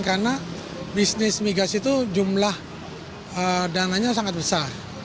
karena bisnis migas itu jumlah dananya sangat besar